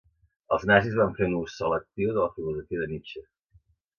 Els nazis van fer un ús selectiu de la filosofia de Nietzsche.